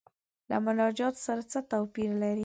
له مناجات سره څه توپیر لري.